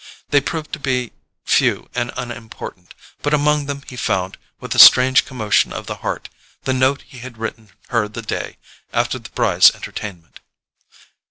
They proved to be few and unimportant, but among them he found, with a strange commotion of the heart, the note he had written her the day after the Brys' entertainment.